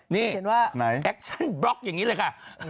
นี่แอคชั่นบล็อกอย่างนี้เลยค่ะ